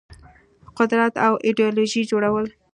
قدرت او ایدیالوژيو جوړول